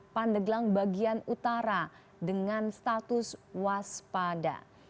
pandeglang bagian utara dengan status waspada